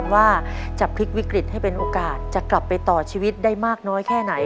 ว่าจะพลิกวิกฤตให้เป็นโอกาสจะกลับไปต่อชีวิตได้มากน้อยแค่ไหน